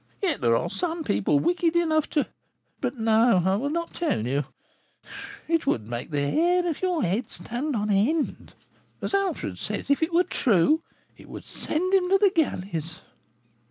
Yet there are some people wicked enough to But no, I will not tell you: it would make the hair of your head stand on end. As Alfred says, if it were true, it would send him to the galleys."